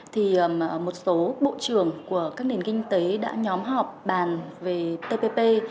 thì một số bộ trưởng của các nền kinh tế đã nhóm họp bàn về tpp